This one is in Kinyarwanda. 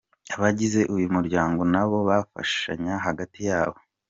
Abagize uyu muryango na bo bafashanya hagati yabo.